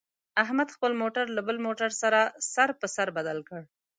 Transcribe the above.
احمد خپل موټر له بل موټر سره سر په سر بدل کړ.